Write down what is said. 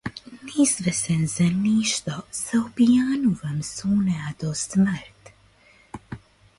Несвесен за ништо, се опијанувам со неа до смрт.